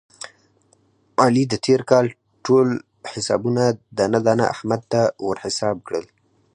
علي د تېر کال ټول حسابونه دانه دانه احمد ته ور حساب کړل.